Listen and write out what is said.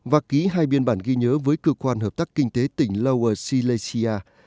và ký hai biên bản ghi nhớ với cơ quan hợp tác kinh tế tỉnh lower silesia